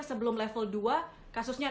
sebelum level dua kasusnya